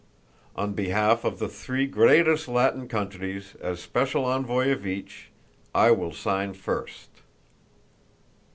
On behalf of the three greatest Latin countries, as special envoy of each, I will sign first."